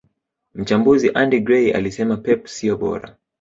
Mchambuzi Andy Gray alisema pep siyo bora